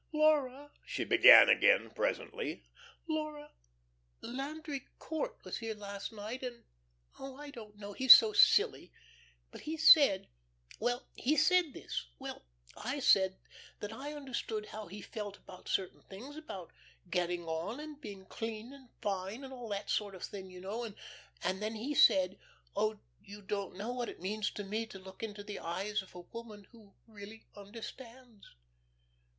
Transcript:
"Laura," she began again presently, "Laura ... Landry Court was here last night, and oh, I don't know, he's so silly. But he said well, he said this well, I said that I understood how he felt about certain things, about 'getting on,' and being clean and fine and all that sort of thing you know; and then he said, 'Oh, you don't know what it means to me to look into the eyes of a woman who really understands.'"